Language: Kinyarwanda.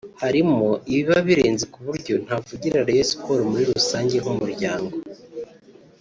Harimo ibiba birenze ku buryo ntavugira Rayon Sports muri rusange nk’umuryango